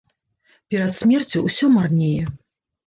Перад смерцю ўсё марнее.